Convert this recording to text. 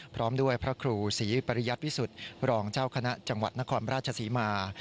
พร้อมด้วยพระครูศรีปริยพิสุทธิ์รองเจ้าคณะจังหวัดนครราชศรีมา